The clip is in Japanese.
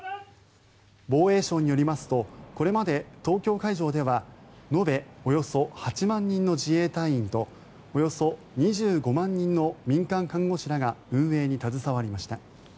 防衛省によりますとこれまで東京会場では延べおよそ８万人の自衛隊員とおよそ２５万人の民間看護師らが運営に携わりました。